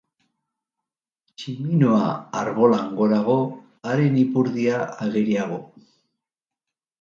Tximinoa arbolan gorago, haren ipurdia ageriago.